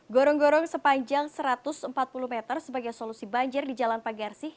gorong gorong sepanjang satu ratus empat puluh meter sebagai solusi banjir di jalan pagarsih